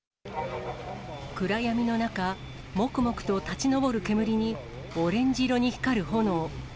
暗闇の中、もくもくと立ち上る煙にオレンジ色に光る炎。